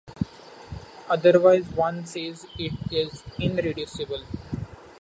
Otherwise one says it is irreducible.